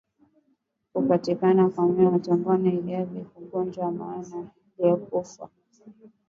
Kupatikana kwa minyoo tumboni ni dalili za ugonjwa kwa mnyama aliyekufa